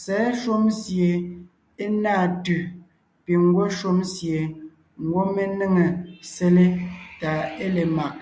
Sɛ̌ shúm sie é náa tʉ̀ piŋ ńgwɔ́ shúm sie ńgwɔ́ mé néŋe sele tà é le mag.